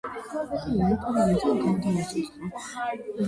ჯგუფმა აღდგენის შემდგომ მონაწილეობა მიიღო რამდენიმე ფესტივალზე.